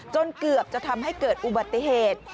จนเกือบจะทำให้เกิดอุบัติเหตุ